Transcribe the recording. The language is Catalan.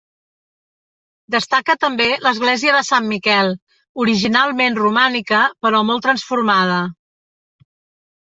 Destaca també l'església de Sant Miquel, originalment romànica, però molt transformada.